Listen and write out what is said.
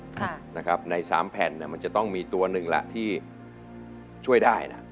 ใช้ตัวช่วยนะครับใน๓แผ่นมันจะต้องมีตัวหนึ่งละที่ช่วยได้นะ